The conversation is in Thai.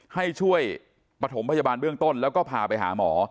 ให้ช่วยปฐมพยาบาลเบื้องต้นแล้วก็พาไปหาหมอ